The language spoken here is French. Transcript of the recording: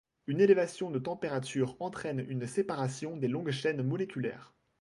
Une élévation de température entraîne une séparation des longues chaînes moléculaires.